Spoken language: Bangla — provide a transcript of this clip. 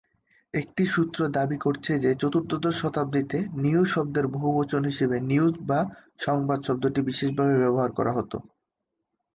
একটি সূত্র দাবী করছে যে, চতুর্দশ শতাব্দীতে "নিউ" শব্দের বহুবচন হিসেবে "নিউজ" বা সংবাদ শব্দটি বিশেষভাবে ব্যবহার করা হতো।